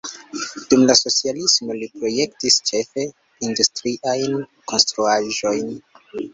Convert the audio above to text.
Dum la socialismo li projektis ĉefe industriajn konstruaĵojn.